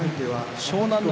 湘南乃